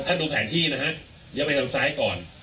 ดูแผนที่นะฮะเดี๋ยวไปทางซ้ายก่อน